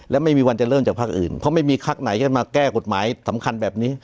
และไม่มีวันจะเริ่มจากภาคอื่นเพราะไม่มีพักไหนจะมาแก้กฎหมายสำคัญแบบนี้